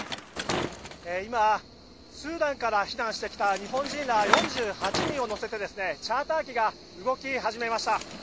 今、スーダンから避難してきた日本人ら４８人を乗せてチャーター機が動き始めました。